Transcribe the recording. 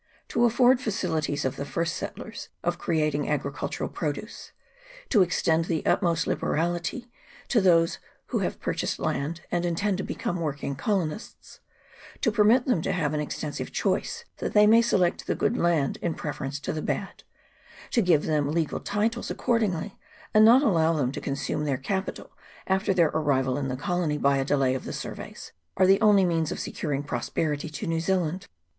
To afford facilities to the first settlers of creating agricultural produce to extend the utmost liberality to those who have purchased land and intend to be come working colonists to permit them to have an extensive choice, that they may select the good land in preference to the bad to give them legal titles accordingly, and not to allow them to consume their capital after their arrival in the colony by a delay of the surveys are the only means of securing pros perity to New Zealand.